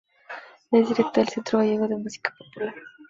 Es directora del Centro Gallego de Música Popular.